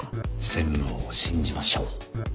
専務を信じましょう。